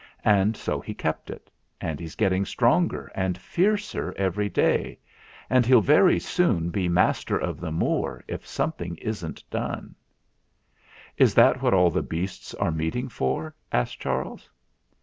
And so he kept it; and he's getting stronger and fiercer every day ; and he'll very soon be master of the Moor if something isn't done." "Is that what all the beasts are meeting for?" asked Charles.